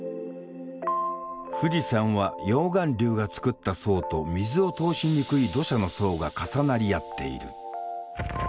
富士山は溶岩流がつくった層と水を通しにくい土砂の層が重なり合っている。